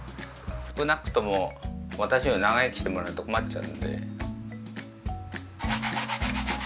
少なくとも私より長生きしてもらわないと困っちゃうので。